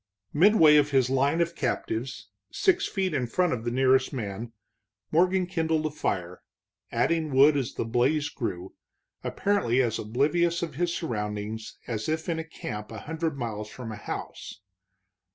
Midway of his line of captives, six feet in front of the nearest man, Morgan kindled a fire, adding wood as the blaze grew, apparently as oblivious of his surroundings as if in a camp a hundred miles from a house.